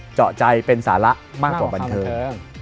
เจาะใจเป็นสาระมากกว่าบันเทิง